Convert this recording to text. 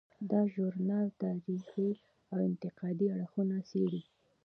دا ژورنال تاریخي او انتقادي اړخونه څیړي.